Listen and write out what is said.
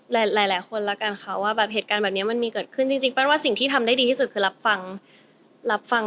หลายหลายคนแล้วกันค่ะว่าแบบเหตุการณ์แบบนี้มันมีเกิดขึ้นจริงปั้นว่าสิ่งที่ทำได้ดีที่สุดคือรับฟังรับฟัง